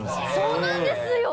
そうなんですよ！